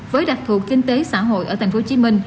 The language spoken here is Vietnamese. với đặc thuộc kinh tế xã hội ở tp hcm